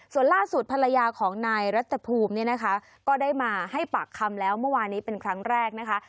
ส่วนล่าสุดภรรยาของนายรัฐภูมิเนี่ยนะคะก็ได้มาให้ปากคำแล้วเมื่อวานนี้เป็นครั้งแรกนะคะ